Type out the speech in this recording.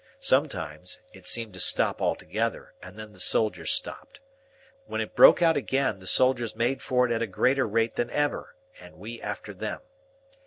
Sometimes, it seemed to stop altogether, and then the soldiers stopped. When it broke out again, the soldiers made for it at a greater rate than ever, and we after them.